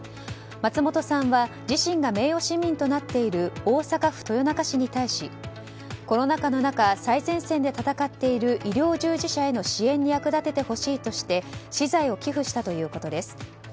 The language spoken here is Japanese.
松本さんは自信が名誉市民となっている大阪府豊中市に対しコロナ禍の中最前線で闘っている医療従事者への支援に支援に役立ててほしいとして私財を寄付したということです。